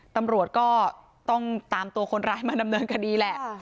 ตำรวจก็ต้องตามตัวคนร้ายมาดำเนินคดีแหละ